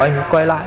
anh ấy quay lại